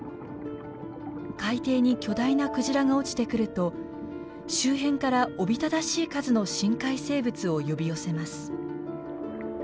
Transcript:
海底に巨大なクジラが落ちてくると周辺からおびただしい数の深海生物を呼び寄せます。